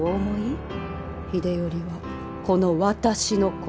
秀頼はこの私の子。